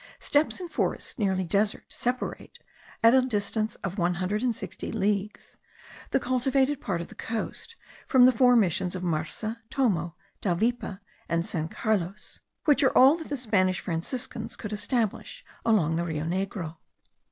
Steppes and forests nearly desert separate, at a distance of one hundred and sixty leagues, the cultivated part of the coast from the four missions of Marsa, Tomo, Davipe, and San Carlos, which are all that the Spanish Franciscans could establish along the Rio Negro.